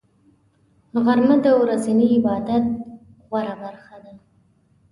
غرمه د ورځني عبادت غوره برخه ده